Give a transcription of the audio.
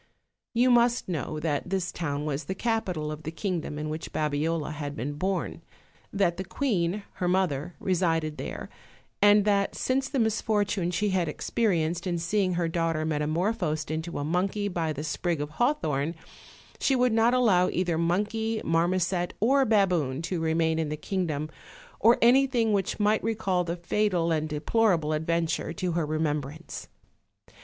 You must know that this town was the capital of the kingdom in which Babiola had been born; that the queen, her mother, resided there, and that since the misfortune she had experienced in seeing her daughter metamor phosed into a monkey by the sprig of hawthorn, she would not allow either monkey, marmoset or baboon to remain in the kingdom, or anything which might recall the fatal and deplorable adventure to her remembrance.